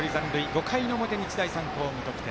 ５回の表、日大三高、無得点。